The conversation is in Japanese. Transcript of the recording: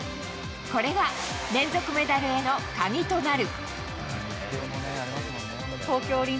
これが、連続メダルへの鍵となる。